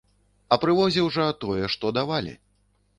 А прывозіў жа, тое, што давалі.